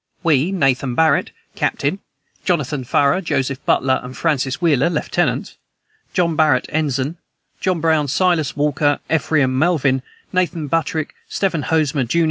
"We, Nathan Barret, captain; Jonathan Farrar, Joseph Butler, and Francis Wheeler, lieutenants; John Barret, ensign; John Brown, Silas Walker, Ephraim Melvin, Nathan Buttrick, Stephen Hosmer, jun.